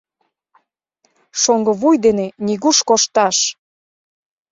— Шоҥго вуй дене нигуш кошташ!